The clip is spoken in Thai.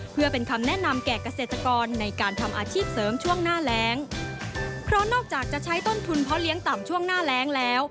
เพราะนอกจากจะใช้ต้นทุนเพาะเลี้ยงต่ำช่วงหน้าแรงแล้ว